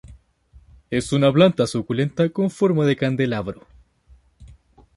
Es una planta suculenta con forma de candelabro.